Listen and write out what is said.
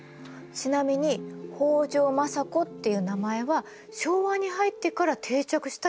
ちなみに北条政子っていう名前は昭和に入ってから定着した呼び方なんだって。